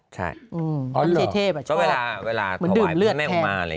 ใช่อ่อเหรอเพื่อชอบเวลาเวลาถ่วยแม่งลูกฮมาอะไรอ่า